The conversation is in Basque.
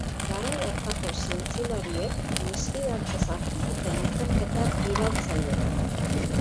Garai hartako zientzilariek mesfidantzaz hartu zuten ikerketa iraultzailea.